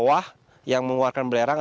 kawah yang mengeluarkan belerang